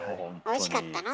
おいしかったの？